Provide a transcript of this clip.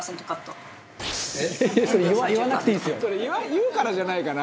「言うからじゃないかな？」